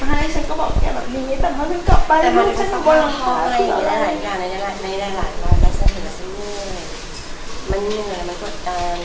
อะไรอย่างงี้อะไรอย่างงี้ไม่ได้หลายวันลักษณีย์ลักษณีย์มันเหนื่อยมันกดตังค์